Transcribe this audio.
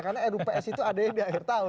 karena rups itu ada yang di akhir tahun